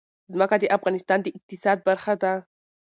ځمکه د افغانستان د اقتصاد برخه ده.